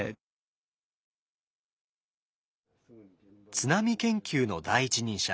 津波研究の第一人者